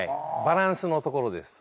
バランスのところです。